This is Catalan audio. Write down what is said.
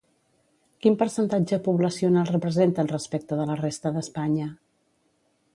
Quin percentatge poblacional representen respecte de la resta d'Espanya?